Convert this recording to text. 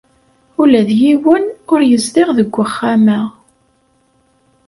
Ula d yiwen ur yezdiɣ deg uxxam-a.